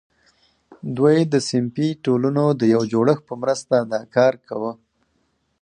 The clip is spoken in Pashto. دوی د صنفي ټولنو د یو جوړښت په مرسته دا کار کاوه.